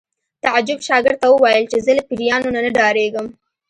تعجب شاګرد ته وویل چې زه له پیریانو نه ډارېږم